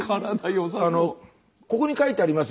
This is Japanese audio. ここに書いてあります